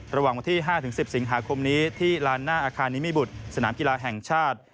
ระหว่างวันที่๕๑๐สิงหาคมนี้ที่ลานหน้าอาคารนิมิบุตรสนามกีฬาแห่งชาติ